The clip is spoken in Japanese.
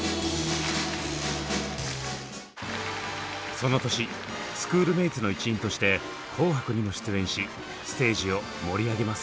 その年スクールメイツの一員として「紅白」にも出演しステージを盛り上げます。